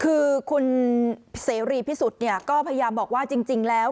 คือคุณเสรีพิสุทธิ์เนี่ยก็พยายามบอกว่าจริงแล้ว